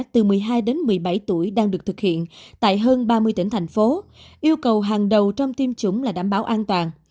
từ một mươi hai đến một mươi bảy tuổi đang được thực hiện tại hơn ba mươi tỉnh thành phố yêu cầu hàng đầu trong tiêm chủng là đảm bảo an toàn